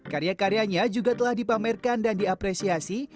karya karyanya juga telah dipamerkan dan diapresiasi